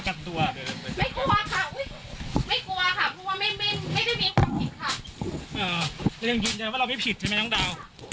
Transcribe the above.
ยังยืนยันว่าเราไม่ผิดใช่ไหมน้องดาว